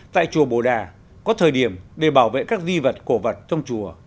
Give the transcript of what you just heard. tại chùa bồ đà có thời điểm để bảo vệ các di vật cổ vật trong chùa